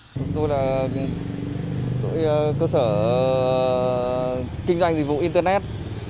chúng tôi là cơ sở kinh doanh dịch vụ internet